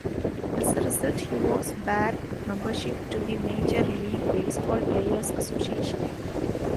As a result, he was barred membership to the Major League Baseball Players Association.